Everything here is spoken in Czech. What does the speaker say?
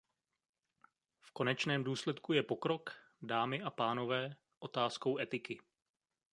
V konečném důsledku je pokrok, dámy a pánové, otázkou etiky.